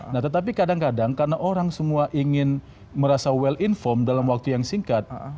nah tetapi kadang kadang karena orang semua ingin merasa well informed dalam waktu yang singkat